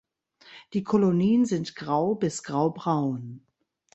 Die Kolonien sind grau bis grau-braun.